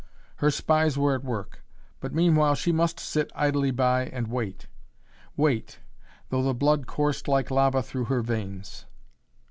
Her spies were at work, but meanwhile she must sit idly by and wait wait, though the blood coursed like lava through her veins.